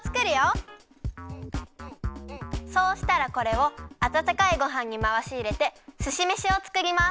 そうしたらこれをあたたかいごはんにまわしいれてすしめしをつくります。